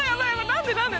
何で何で？